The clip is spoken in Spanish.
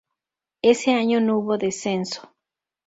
Ese año no hubo descenso.